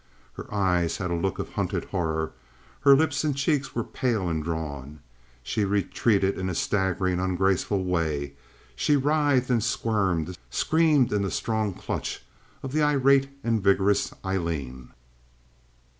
Her eyes had a look of hunted horror, her lips and cheeks were pale and drawn. She retreated in a staggering, ungraceful way; she writhed and squirmed, screaming in the strong clutch of the irate and vigorous Aileen.